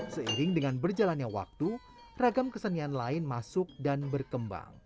seiring dengan berjalannya waktu ragam kesenian lain masuk dan berkembang